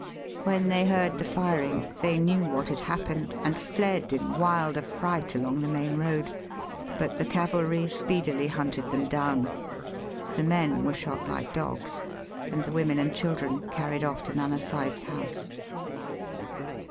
When they heard the firing they knew what had happened, and fled in wild affiight along the main road. But the cavalry speedily hunted them down. The men were shot like dogs and the women and children carried off to Nana Sahib's house.